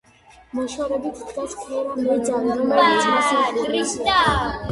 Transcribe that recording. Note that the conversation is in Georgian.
მოშორებით დგას ქერა მეძავი, რომელიც მას უყურებს.